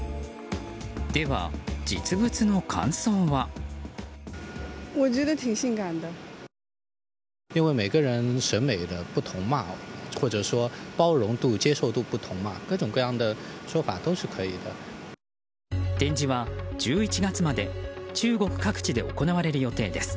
では、実物の感想は？展示は１１月まで中国各地で行われる予定です。